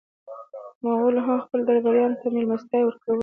مغولو هم خپلو درباریانو ته مېلمستیاوې ورکولې.